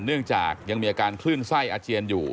เนื่องจากยังมีอาการคลื่นไส้อาเจียนอยู่